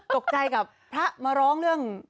ตกใจกับพระมาร้องเรื่อง